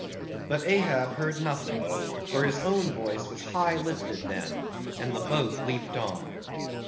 But Ahab heard nothing; for his own voice was high lifted then; and the boat leaped on.